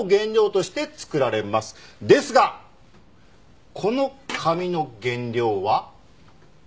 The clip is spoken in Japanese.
ですがこの紙の原料は。